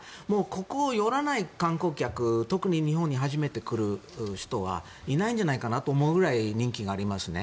ここに寄らない観光客特に日本に初めて来る人はいないんじゃないかなというぐらい人気がありますね。